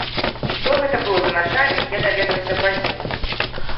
Што гэта быў за начальнік, я даведаўся пазней.